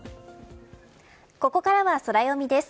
ここからはソラよみです。